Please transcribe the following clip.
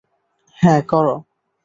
হ্যাঁ, কর।